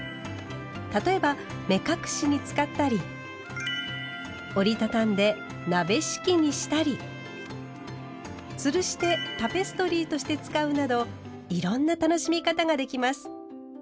例えば目隠しに使ったり折り畳んで鍋敷きにしたりつるしてタペストリーとして使うなどいろんな楽しみ方ができます。